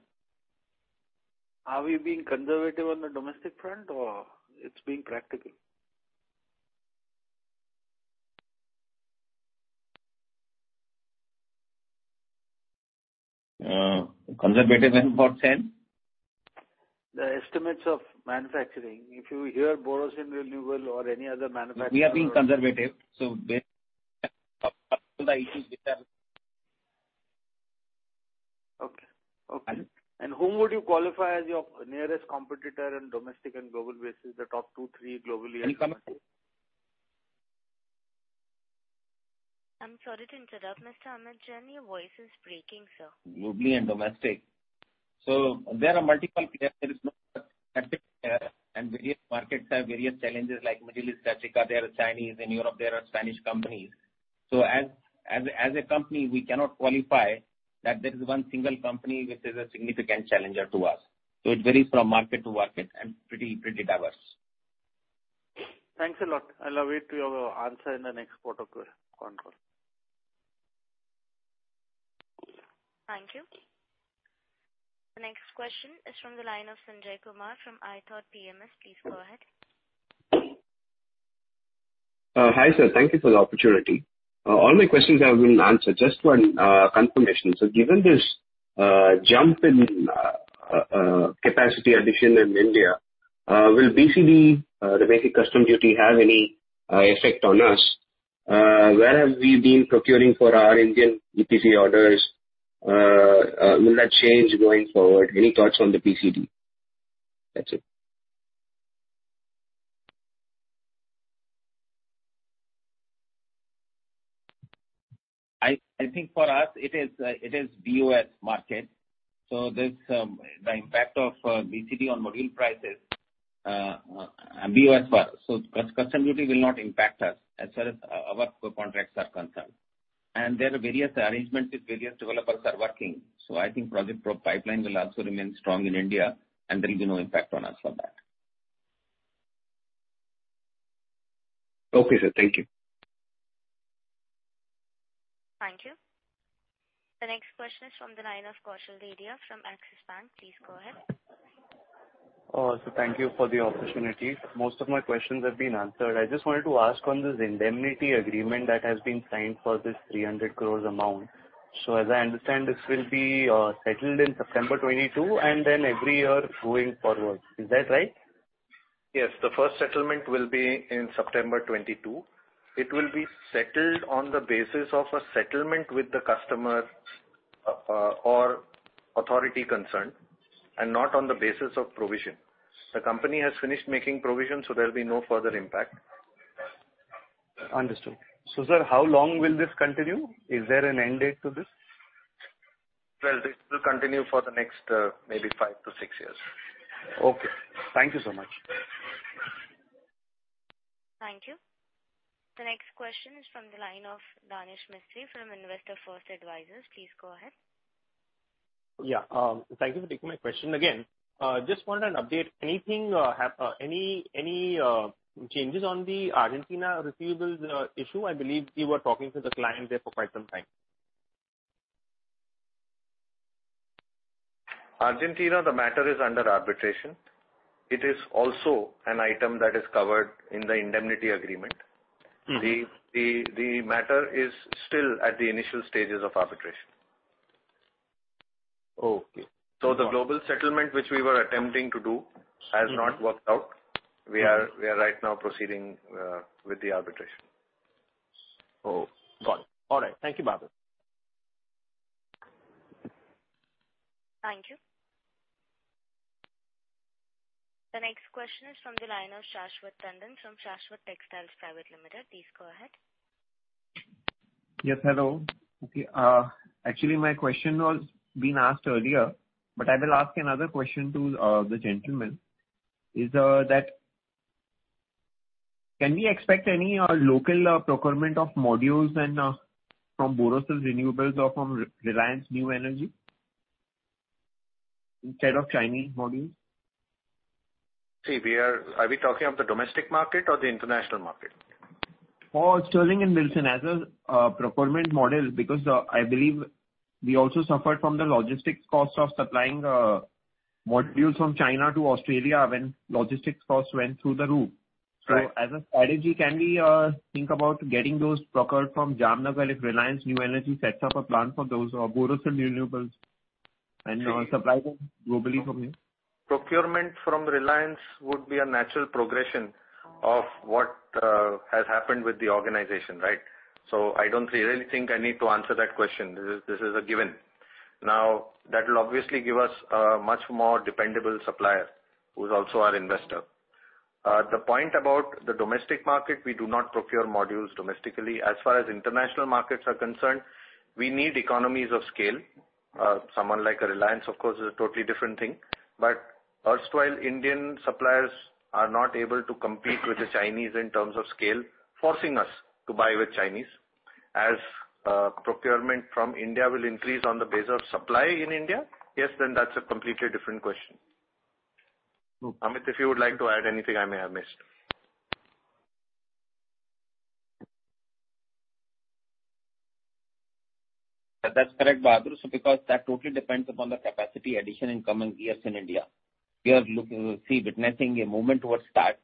Are we being conservative on the domestic front or it's being practical? Conservative in what sense? The estimates of manufacturing. If you hear Waaree Renewable or any other manufacturer. We are being conservative, so there Okay. Okay. And- Whom would you qualify as your nearest competitor in domestic and global basis, the top two, three globally and domestic? I'm sorry to interrupt, Mr. Amit Jain. Your voice is breaking, sir. Globally and domestic. There are multiple players. There is no specific player, and various markets have various challenges. Like Middle East, Africa, there are Chinese. In Europe, there are Spanish companies. As a company, we cannot qualify that there is one single company which is a significant challenger to us. It varies from market to market and pretty diverse. Thanks a lot. I'll await your answer in the next quarter conference call. Thank you. The next question is from the line of Sanjay Kumar from iThought PMS. Please go ahead. Hi, sir. Thank you for the opportunity. All my questions have been answered. Just one confirmation. Given this jump in capacity addition in India, will BCD, the Basic Customs Duty, have any effect on us? Where have we been procuring for our Indian EPC orders? Will that change going forward? Any thoughts on the BCD? That's it. I think for us it is BOS market. This, the impact of BCD on module prices, BOS market. Customs duty will not impact us as far as our contracts are concerned. There are various arrangements with various developers we're working, so I think project pipeline will also remain strong in India and there'll be no impact on us for that. Okay, sir. Thank you. Thank you. The next question is from the line of Kaushal Dedhia from Axis Bank. Please go ahead. Sir, thank you for the opportunity. Most of my questions have been answered. I just wanted to ask on this indemnity agreement that has been signed for this 300 crore amount. As I understand, this will be settled in September 2022 and then every year going forward. Is that right? Yes. The first settlement will be in September 2022. It will be settled on the basis of a settlement with the customer, or authority concerned and not on the basis of provision. The company has finished making provision, so there'll be no further impact. Understood. Sir, how long will this continue? Is there an end date to this? Well, this will continue for the next, maybe 5-6 years. Okay. Thank you so much. Thank you. The next question is from the line of Danesh Mistry from Investor First Advisors. Please go ahead. Yeah. Thank you for taking my question again. Just wanted an update. Anything any changes on the Argentina receivables issue? I believe you were talking to the client there for quite some time. Argentina, the matter is under arbitration. It is also an item that is covered in the indemnity agreement. Mm. The matter is still at the initial stages of arbitration. Okay. The global settlement which we were attempting to do has not worked out. Mm. We are right now proceeding with the arbitration. Oh, got it. All right. Thank you, Babu. Thank you. The next question is from the line of Shashwat Tandon from Shaswat Textiles Private Limited. Please go ahead. Yes, hello. Okay, actually my question was being asked earlier, but I will ask another question to the gentleman. Can we expect any local procurement of modules from Waaree Renewables or from Reliance New Energy instead of Chinese modules? See, are we talking of the domestic market or the international market? For Sterling and Wilson as a procurement model, because I believe we also suffered from the logistics cost of supplying modules from China to Australia when logistics costs went through the roof. Right. As a strategy, can we think about getting those procured from Jamnagar if Reliance New Energy sets up a plant for those or Waaree Renewables and supplying them globally from here? Procurement from Reliance would be a natural progression of what has happened with the organization, right? I don't really think I need to answer that question. This is a given. Now, that will obviously give us a much more dependable supplier who's also our investor. The point about the domestic market, we do not procure modules domestically. As far as international markets are concerned, we need economies of scale. Someone like a Reliance, of course, is a totally different thing. Erstwhile Indian suppliers are not able to compete with the Chinese in terms of scale, forcing us to buy from Chinese. As procurement from India will increase on the basis of supply in India, yes, then that's a completely different question. Mm. Amit, if you would like to add anything I may have missed. That's correct, Bahadur Dastoor, because that totally depends upon the capacity addition in coming years in India. We are witnessing a movement towards that.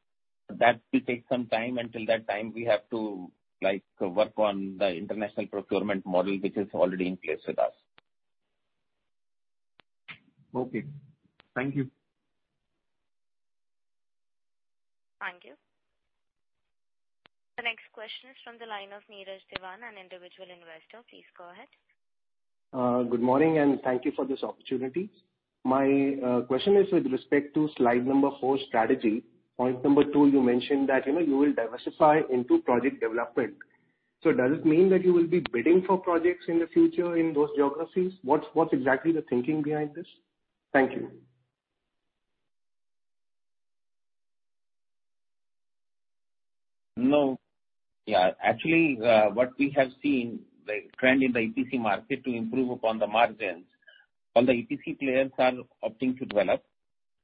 That will take some time. Until that time, we have to, like, work on the international procurement model, which is already in place with us. Okay. Thank you. Thank you. The next question is from the line of Neeraj Dewan, an individual investor. Please go ahead. Good morning, and thank you for this opportunity. My question is with respect to slide number 4, strategy. Point number 2, you mentioned that, you know, you will diversify into project development. Does it mean that you will be bidding for projects in the future in those geographies? What's exactly the thinking behind this? Thank you. No. Yeah, actually, what we have seen, the trend in the EPC market to improve upon the margins, all the EPC players are opting to develop.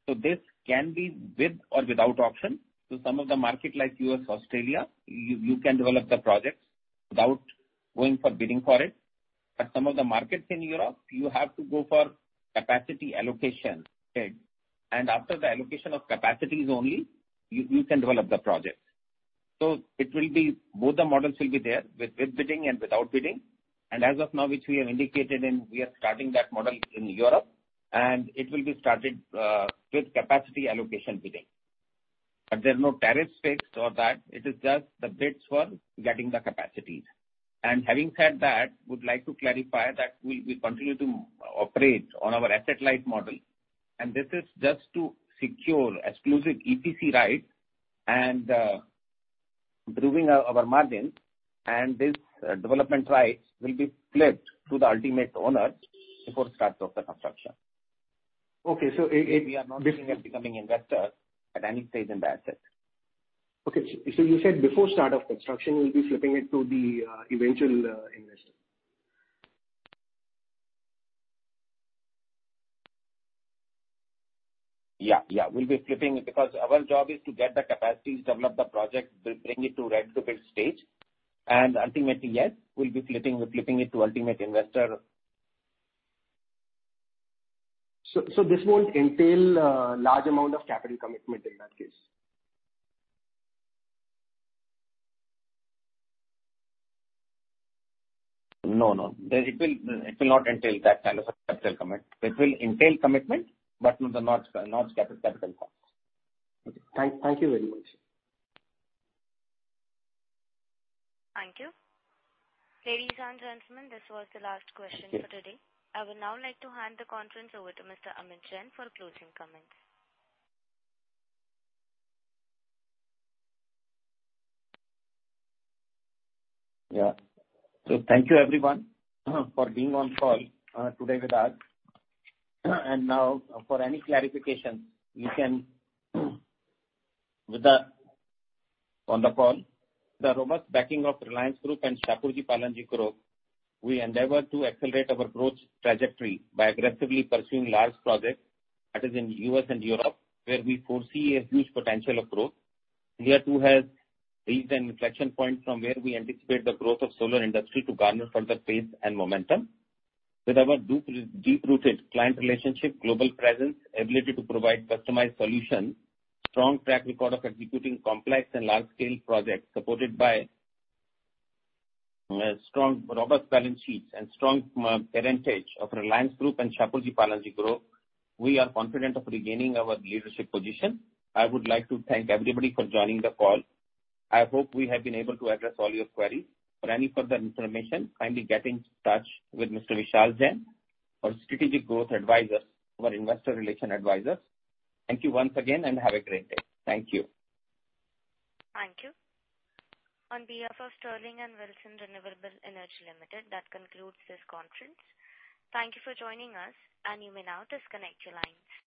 This can be with or without option. Some of the markets like U.S., Australia, you can develop the projects without going for bidding for it. Some of the markets in Europe, you have to go for capacity allocation, okay? After the allocation of capacities only, you can develop the projects. It will be both the models will be there, with bidding and without bidding. As of now, which we have indicated and we are starting that model in Europe, and it will be started with capacity allocation bidding. There's no tariffs fixed or that. It is just the bids for getting the capacities. Having said that, would like to clarify that we continue to operate on our asset-light model. This is just to secure exclusive EPC rights and improving our margins. This development rights will be flipped to the ultimate owner before start of the construction. Okay. We are not looking at becoming investor at any stage in the asset. Okay. You said before start of construction, you'll be flipping it to the eventual investor. Yeah, yeah. We'll be flipping it because our job is to get the capacities, develop the project, bring it to ready-to-bid stage, and ultimately, yes, we'll be flipping it to ultimate investor. This won't entail large amount of capital commitment in that case? No. It will not entail that kind of a capital commit. It will entail commitment, but not capital cost. Okay. Thank you very much. Thank you. Ladies and gentlemen, this was the last question for today. Thank you. I would now like to hand the conference over to Mr. Amit Jain for closing comments. Thank you, everyone, for being on call today with us. The robust backing of Reliance Group and Shapoorji Pallonji Group, we endeavor to accelerate our growth trajectory by aggressively pursuing large projects, that is in U.S. and Europe, where we foresee a huge potential of growth. We are to have reached an inflection point from where we anticipate the growth of solar industry to garner further pace and momentum. With our deep-rooted client relationship, global presence, ability to provide customized solution, strong track record of executing complex and large scale projects supported by strong, robust balance sheets and strong parentage of Reliance Group and Shapoorji Pallonji Group, we are confident of regaining our leadership position. I would like to thank everybody for joining the call. I hope we have been able to address all your queries. For any further information, kindly get in touch with Mr. Vishal Jain, our Strategic Growth Advisor, our Investor Relations advisor. Thank you once again, and have a great day. Thank you. Thank you. On behalf of Sterling and Wilson Renewable Energy Limited, that concludes this conference. Thank you for joining us, and you may now disconnect your lines.